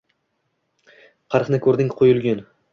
Qirqni ko’rding, quyilgin.